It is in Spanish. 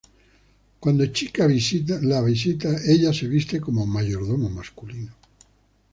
Cuando Chika visita, ella se viste como mayordomo masculino.